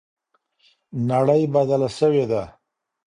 نړۍ بدله سوې ده.